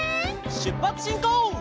しゅっぱつしんこう！